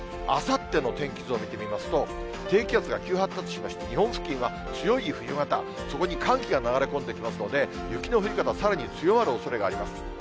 あさっての天気図を見てみますと、低気圧が急発達しまして、日本付近は強い冬型、そこに寒気が流れ込んできますので、雪の降り方、さらに強まるおそれがあります。